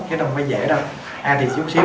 chứ nó không dễ đâu à thì chút xíu